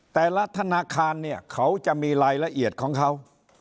แต่ละธนาคารเนี่ยเขาจะมีรายละเอียดของเขา